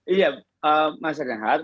iya mas renhard